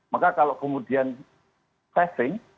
maka kalau kemudian saving